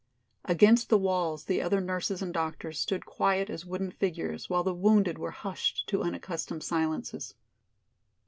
Against the walls the other nurses and doctors stood quiet as wooden figures, while the wounded were hushed to unaccustomed silences.